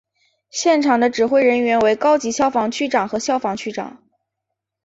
现场的指挥人员为高级消防区长和消防区长。